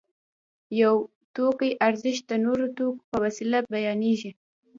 د یو توکي ارزښت د نورو توکو په وسیله بیانېږي